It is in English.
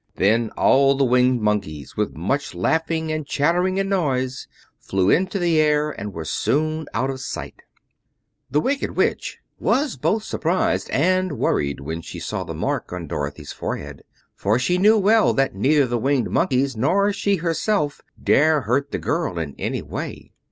Then all the Winged Monkeys, with much laughing and chattering and noise, flew into the air and were soon out of sight. The Wicked Witch was both surprised and worried when she saw the mark on Dorothy's forehead, for she knew well that neither the Winged Monkeys nor she, herself, dare hurt the girl in any way.